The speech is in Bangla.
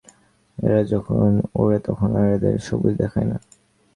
এরা যখন ওড়ে তখন আর এদের সবুজ দেখায় না।